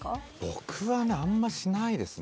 僕はねあんましないですね